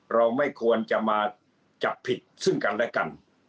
เราไม่ควรจะมาจับผิดซึ่งกันและกัน